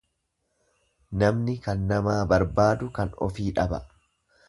Namni kan namaa barbaadu kan ofii dhaba.